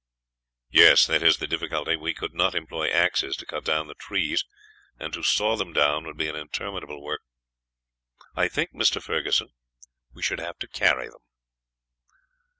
"Yes, that is the difficulty. We could not employ axes to cut down the trees, and to saw them down would be an interminable work. I think, Mr. Ferguson, we should have to carry them."